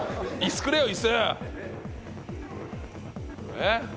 えっ？